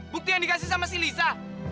bukti yang dikasih sama si lisa